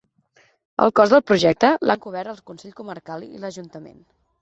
El cost del projecte l'han cobert el Consell Comarcal i l'Ajuntament.